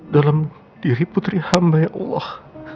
dalam diri putri hamba ya allah